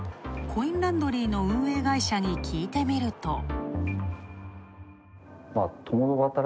コインランドリーの運営会社に聞いてみると。